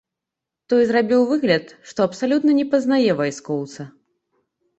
Той зрабіў выгляд, што абсалютна не пазнае вайскоўца.